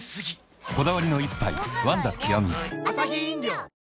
こだわりの一杯「ワンダ極」